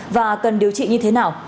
và cần điều trị như thế nào